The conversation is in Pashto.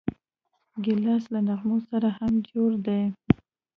ګیلاس له نغمو سره هم جوړ دی.